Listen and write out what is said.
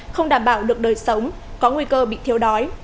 không đảm bảo được đời sống có nguy cơ bị thiếu đói